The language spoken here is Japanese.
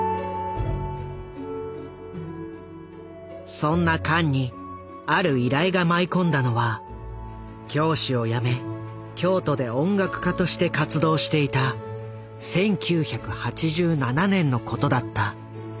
そんなカンにある依頼が舞い込んだのは教師を辞め京都で音楽家として活動していた１９８７年のことだった。